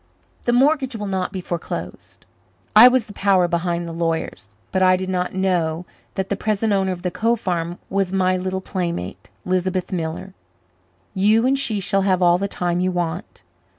The mortgage will not be foreclosed. I was the power behind the lawyers, but I did not know that the present owner of the Cove farm was my little playmate, Lisbeth Miller. You and she shall have all the time you want.